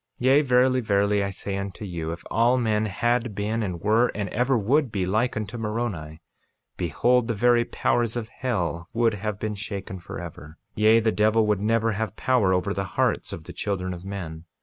48:17 Yea, verily, verily I say unto you, if all men had been, and were, and ever would be, like unto Moroni, behold, the very powers of hell would have been shaken forever; yea, the devil would never have power over the hearts of the children of men.